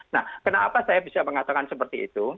nah kenapa saya bisa mengatakan seperti itu